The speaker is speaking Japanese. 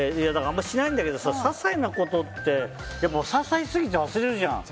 あんまりしないんだけどささいなことってささいすぎて忘れるじゃん。